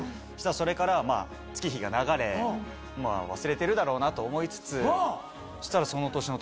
それから月日が流れ忘れてるだろうなと思いつつそしたらその年の。